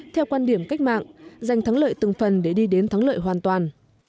theo quan điểm cách mạng giành thắng lợi từng phần để đi đến thắng lợi hoàn toàn